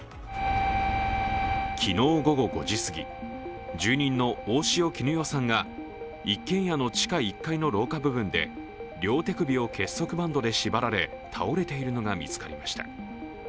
昨日午後５時すぎ住人の大塩衣与さんが一軒家の地下１階の廊下部分で、両手首を結束バンドで縛られ、倒れているのが見つかりました。